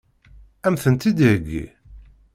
Ad m-tent-id-iheggi?